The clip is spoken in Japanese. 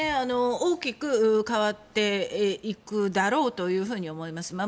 大きく変わっていくだろうと思います。